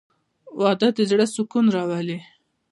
• واده د زړه سکون راولي.